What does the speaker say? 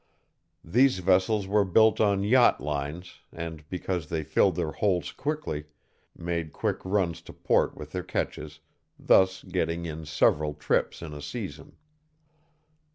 These vessels were built on yacht lines and, because they filled their holds quickly, made quick runs to port with their catches, thus getting in several trips in a season.